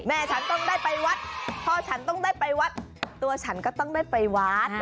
ฉันต้องได้ไปวัดพอฉันต้องได้ไปวัดตัวฉันก็ต้องได้ไปวัด